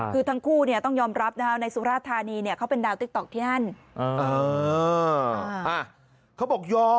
คือทั้งคู่ต้องยอมรับนะครับ